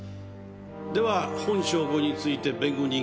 では本証拠について弁護人ご意見を。